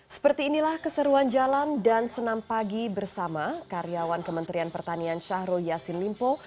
seperti inilah keseruan jalan dan senam pagi bersama karyawan kementerian pertanian syahrul yassin limpo